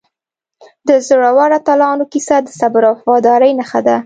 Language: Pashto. د زړورو اتلانو کیسه د صبر او وفادارۍ نښه ده.